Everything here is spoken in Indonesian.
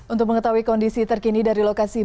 untuk mengetahui kondisi terkini dari lokasi